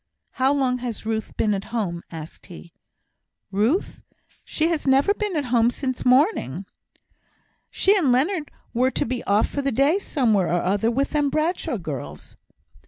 "How long has Ruth been at home?" asked he. "Ruth! She has never been at home sin' morning. She and Leonard were to be off for the day somewhere or other with them Bradshaw girls."